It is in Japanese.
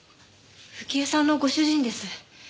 冨貴江さんのご主人です。